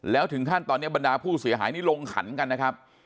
แล้วถึงขั้นตอนนี้บรรดาผู้เสียหายนี่ลงขันกันนะครับ